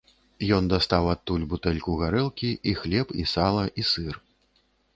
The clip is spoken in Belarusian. Ён дастаў адтуль бутэльку гарэлкі, і хлеб, і сала, і сыр.